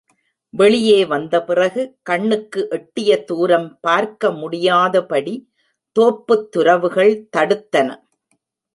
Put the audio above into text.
வெளியே வந்த பிறகு கண்ணுக்கு எட்டிய தூரம் பார்க்க முடியாதபடி தோப்புத் துரவுகள் தடுத்தன.